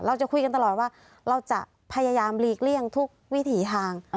เราจะคุยกันตลอดว่าเราจะพยายามหลีกเลี่ยงทุกวิถีทาง